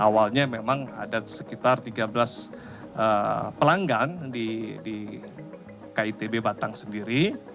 awalnya memang ada sekitar tiga belas pelanggan di kitb batang sendiri